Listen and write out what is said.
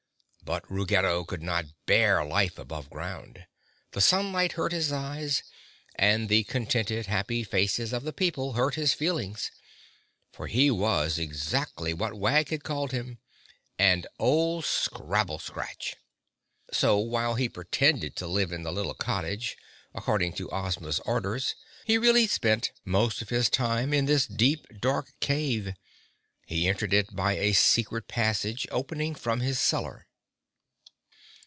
But Ruggedo could not bear life above ground. The sunlight hurt his eyes, and the contented, happy faces of the people hurt his feelings, for he was exactly what Wag had called him—an old scrabble scratch. So, while he pretended to live in the little cottage, according to Ozma's orders, he really spent most of his time in this deep, dark cave. He entered it by a secret passage, opening from his cellar.